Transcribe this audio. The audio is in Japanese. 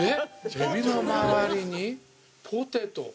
エビの周りにポテト。